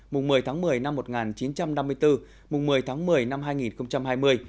mùng một mươi tháng một mươi năm một nghìn chín trăm năm mươi bốn mùng một mươi tháng một mươi năm hai nghìn hai mươi